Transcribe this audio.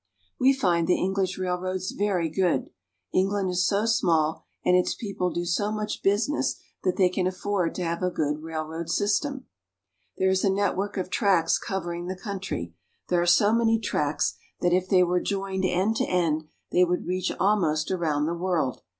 We find the English railroads very good. England is so small and its people do so much business that they can afford to have a good railroad system. c :" We find the English rail roads very good." There is a network 01 tracks covering the country. There are so M*V many tracks that if they were joined end to end they would reach almost around the world.